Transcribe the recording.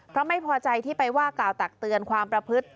เพราะไม่พอใจที่ไปว่ากล่าวตักเตือนความประพฤติ